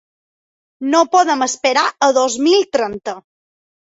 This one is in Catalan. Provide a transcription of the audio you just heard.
No podem esperar a dos mil trenta.